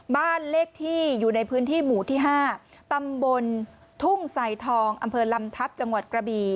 บ้านเลขที่อยู่ในพื้นที่หมู่ที่๕ตำบลทุ่งไซทองอำเภอลำทัพจังหวัดกระบี